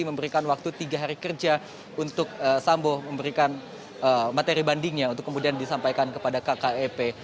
memberikan waktu tiga hari kerja untuk sambo memberikan materi bandingnya untuk kemudian disampaikan kepada kkep